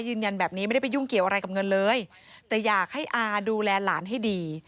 ยืนยันแบบนี้ไม่ได้ไปยุ่งเกี่ยวอะไรกับเงินเลยแต่อยากให้อาดูแลหลานให้ดี